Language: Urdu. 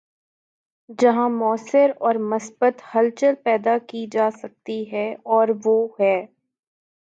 جہاں مؤثر اور مثبت ہلچل پیدا کی جا سکتی ہے‘ اور وہ ہے۔